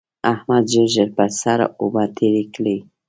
احمد ژر ژر پر سر اوبه تېرې کړې.